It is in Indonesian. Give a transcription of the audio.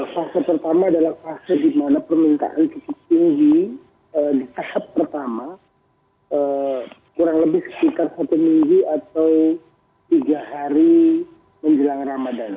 fase pertama adalah fase di mana permintaan cukup tinggi di tahap pertama kurang lebih sekitar satu minggu atau tiga hari menjelang ramadan